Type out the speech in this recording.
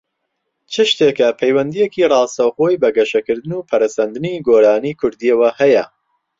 چ شتێکە پەیوەندییەکی ڕاستەوخۆی بە گەشەکردن و پەرەسەندنی گۆرانیی کوردییەوە هەیە؟